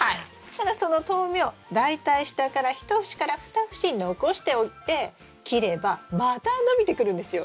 ただその豆苗大体下から１節から２節残しておいて切ればまた伸びてくるんですよ。